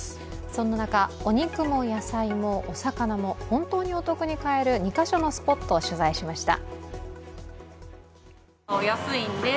そんな中、お肉も野菜もお魚も、本当にお得に買える２か所のスポットを取材しました。